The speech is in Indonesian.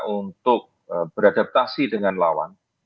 untuk beradaptasi dengan lawan